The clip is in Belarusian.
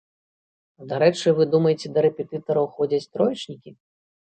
Дарэчы, вы думаеце, да рэпетытараў ходзяць троечнікі?